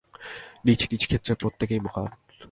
নিজ নিজ ক্ষেত্রে প্রত্যেকেই মহান্।